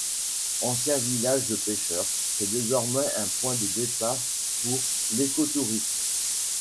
Ancien village de pêcheurs, c'est désormais un point de départ pour l'écotourisme.